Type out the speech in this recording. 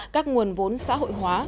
các nguồn vốn xã hội hóa